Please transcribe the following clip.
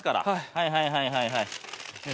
はいはいはいはいはい。